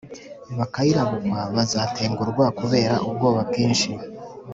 Bakiyirabukwa bazatengurwa kubera ubwoba bwinshi,